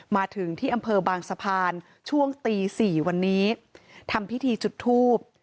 มาถึงที่อำเภอบางสะพานช่วงตีสี่วันนี้ทำพิธีจุดทูบ